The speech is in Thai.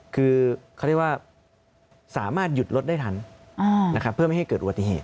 คือเขาเรียกว่าสามารถหยุดรถได้ทันนะครับเพื่อไม่ให้เกิดอุบัติเหตุ